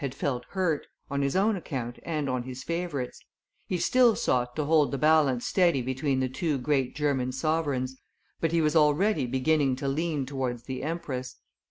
had felt hurt, on his own account and on his favorite's; he still sought to hold the balance steady between the two great German sovereigns, but he was already beginning to lean towards the empress.